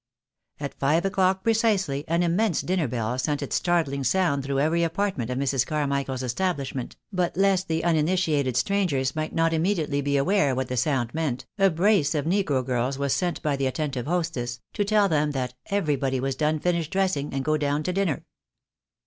At live o'clock precisely an immense dinner bell sent its startling sound through every apartment of Mrs. Carmichael's establishment, but lest the uninitiated strangers might not immediately be aware what the sound meant, a brace of negro girls was sent by the attentive hostess, to tell them that " ebery body was done finished dressing, and gone down to dinner."